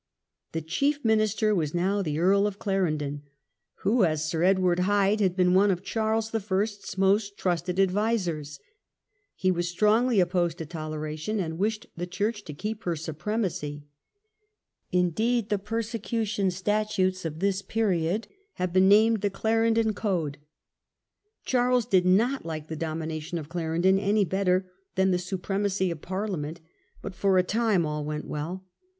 The chief minister was now the Earl of Clarendon, who, as Sir Edward Hyde, had been one of Charles the First's most trusted advisers. He was strongly clarendon's opposed to Toleration, and wished the Church Administra to keep her supremacy. Indeed, the persecut ^*°"* 1660 1667. ing statutes of this period have been named the "Clarendon Code". Charles did not like the domination of Clarendon any better than the supremacy of Parliament, but, for a time, all went well.